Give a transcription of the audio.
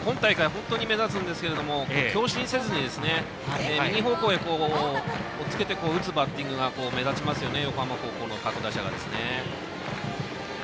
本当に目立つんですけど強振せずに右方向におっつけて打つバッティングが目立ちますよね横浜高校の各打者は。